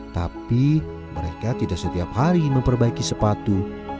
tapi mereka tidak setiap hari memperbaiki sepatu